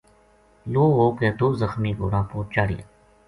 لو ہو کے دو زخمی گھوڑاں پو چاہڑیا